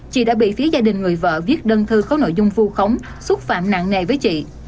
chị đã bị phía gia đình người vợ viết đơn thư có nội dung vu khống xúc phạm nặng nề với chị